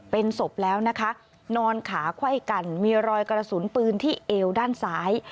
เป็นศพแล้วนะคะนอนขาไขว้กันมีรอยกระสุนปืนที่เอวด้านซ้าย